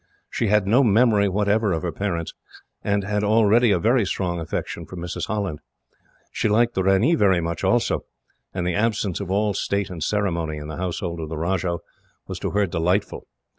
She had no memory, whatever, of her parents, and had already a very strong affection for Mrs. Holland. She liked the ranee very much also, and the absence of all state and ceremony, in the household of the Rajah, was to her delightful.